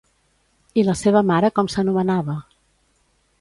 I la seva mare com s'anomenava?